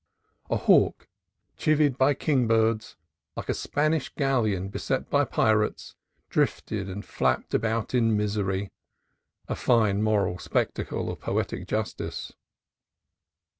A hawk chevied by kingbirds, like a Spanish galleon beset by pirates, drifted and flapped about in misery, a fine moral spectacle of poetic justice.